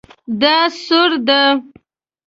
دا سوړ ده